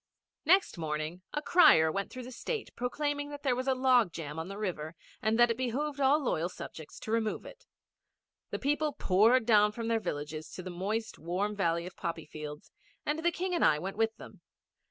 Next morning a crier went through the State proclaiming that there was a log jam on the river and that it behoved all loyal subjects to remove it. The people poured down from their villages to the moist, warm valley of poppy fields; and the King and I went with them.